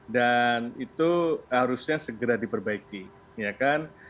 dan itu harusnya segera diperbaiki ya kan